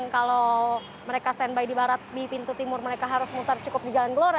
tetapi pintu timur mereka harus memutar cukup jalan gelora